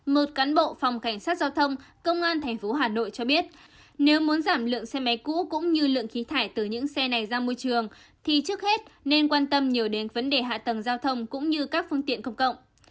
một cán bộ phòng cảnh sát giao thông công an tp hà nội cho biết nếu muốn giảm lượng xe máy cũ cũng như lượng khí thải từ những xe này ra môi trường thì trước hết nên quan tâm nhiều đến vấn đề hạ tầng giao thông cũng như các phương tiện công cộng